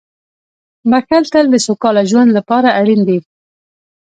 • بښل تل د سوکاله ژوند لپاره اړین دي.